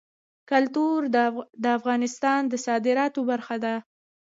کلتور د افغانستان د صادراتو برخه ده.